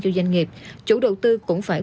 cho doanh nghiệp chủ đầu tư cũng phải